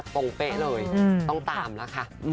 ตรงเป๊ะเลยต้องตามแล้วค่ะ